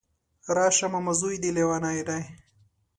راشه ماما ځوی دی ليونی دی